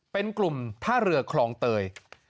เป็นกลุ่มท่าเรือคลองเตย